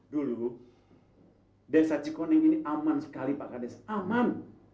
dulu desa cikoning ini aman sekali pak kades aman